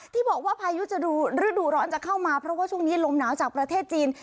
ที่บอกว่าพายุจะดูฤดูร้อนจะเข้ามาเพราะว่าช่วงนี้ลมหนาวจากประเทศจีน